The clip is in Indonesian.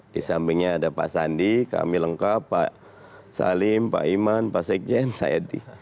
di sampingnya ada pak sandi kami lengkap pak salim pak iman pak sekjen saya